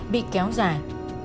bị kéo dài